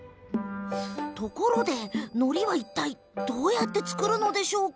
ところで、のりは、いったいどうやって作るのでしょうか。